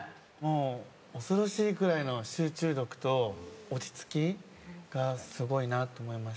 恐ろしいくらいの集中力と落ち着きがすごいなと思いました。